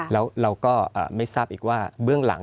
แล้วเราก็ไม่ทราบอีกว่าเบื้องหลัง